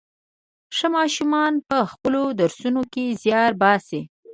ښه ماشومان په خپلو درسونو کې زيار باسي.